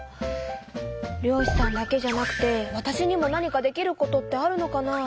漁しさんだけじゃなくてわたしにも何かできることってあるのかな？